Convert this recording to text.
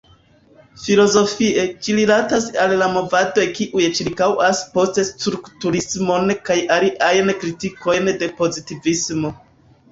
Filozofie, ĝi rilatas al la movadoj kiuj ĉirkaŭas post-strukturismon kaj aliajn kritikojn de pozitivismo.